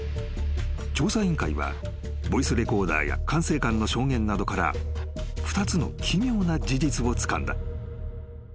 ［調査委員会はボイスレコーダーや管制官の証言などから２つの奇妙な事実をつかんだ］